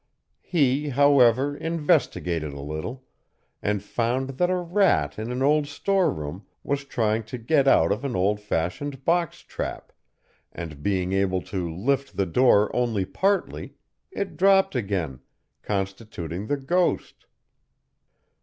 He, however, investigated a little, and found that a rat in an old store room, was trying to get out of an old fashioned box trap, and being able to lift the door only partly, it dropped again, constituting the ghost.